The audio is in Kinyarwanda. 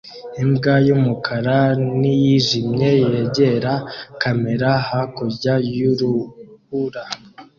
Imbwa y'umukara n'iyijimye yegera kamera hakurya y'urubura